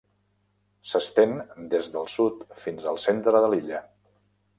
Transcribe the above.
S'estén des del sud fins al centre de l'illa.